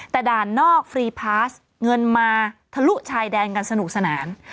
แต่ด่านนอกฟรีพาสเงินมาทะลุชายแดนกันสนุกสนาน